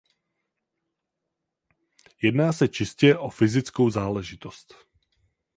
Jedná se čistě o fyzickou záležitost.